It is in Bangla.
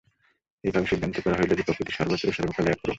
এইভাবে সিদ্ধান্ত করা হইল যে, প্রকৃতি সর্বত্র ও সর্বকালে একরূপ।